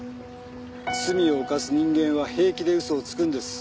罪を犯す人間は平気で嘘をつくんです。